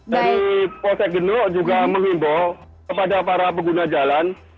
jadi kosek geno juga mengimbau kepada para pengguna jalan